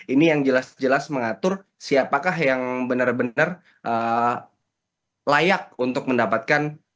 ini yang jelas jelas mengatur siapakah yang benar benar layak untuk mendapatkan